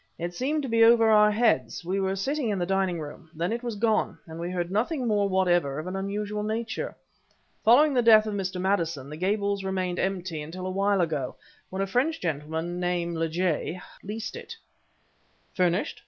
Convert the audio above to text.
"It seemed to be over our heads. We were sitting in the dining room. Then it was gone, and we heard nothing more whatever of an unusual nature. Following the death of Mr. Maddison, the Gables remained empty until a while ago, when a French gentleman, name Lejay, leased it " "Furnished?"